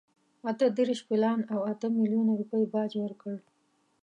اته دېرش پیلان او اته میلیونه روپۍ باج ورکړ.